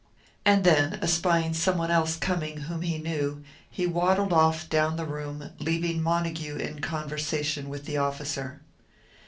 And then, espying someone else coming whom he knew, he waddled off down the room, leaving Montague in conversation with the officer.